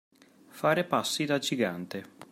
Fare passi da gigante.